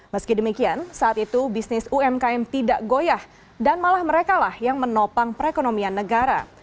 meski demikian saat itu bisnis umkm tidak goyah dan malah mereka lah yang menopang perekonomian negara